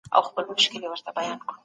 علم انسان ته د الوتلو وزرونه ورکوي.